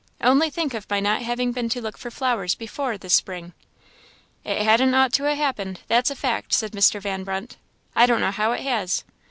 Only think of my not having been to look for flowers before, this spring." "It hadn't ought to ha' happened so, that's a fact," said Mr. Van Brunt; "I don't know how it has."